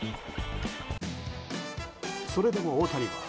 それでも大谷は、